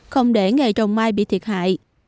không để nghề trồng mai bị thiệt hại